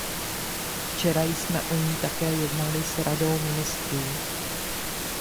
Včera jsme o ní také jednali s Radou ministrů.